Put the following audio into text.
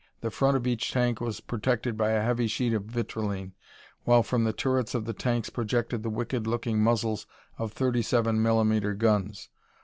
The front of each tank was protected by a heavy sheet of vitrilene, while from the turrets of the tanks projected the wicked looking muzzles of thirty seven millimeter guns.